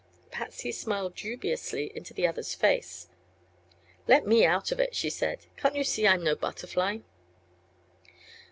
Patsy smiled dubiously into the other's face. "Let me out of it!" she said. "Can't you see I'm no butterfly?"